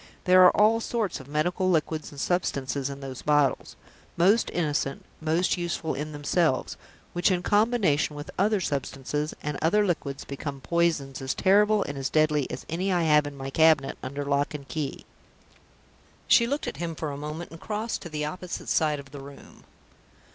There are all sorts of medical liquids and substances in those bottles most innocent, most useful in themselves which, in combination with other substances and other liquids, become poisons as terrible and as deadly as any that I have in my cabinet under lock and key." She looked at him for a moment, and creased to the opposite side of the room.